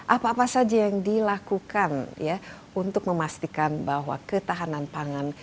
apa apa saja yang dilakukan untuk memastikan bahwa ketahanan pangan